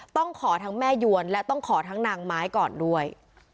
ต้องขอทั้งแม่ยวนและต้องขอทั้งนางไม้ก่อนด้วย